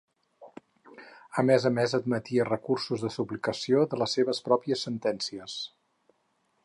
A més a més admetia recursos de suplicació de les seves pròpies sentències.